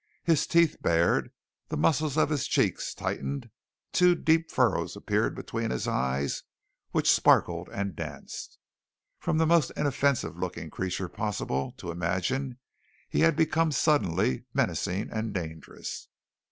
His teeth bared, the muscles of his cheeks tightened, two deep furrows appeared between his eyes, which sparkled and danced. From the most inoffensive looking creature possible to imagine he had become suddenly menacing and dangerous.